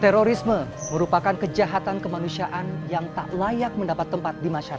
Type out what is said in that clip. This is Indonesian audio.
terorisme merupakan kejahatan kemanusiaan yang tak layak mendapat tempat di masyarakat